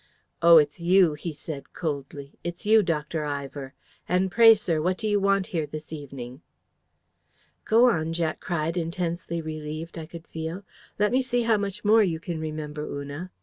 "'Oh, it's you!' he said, coldly. 'It's you, Dr. Ivor. And pray, sir, what do you want here this evening?'" "Go on!" Jack cried, intensely relieved, I could feel. "Let me see how much more you can remember, Una."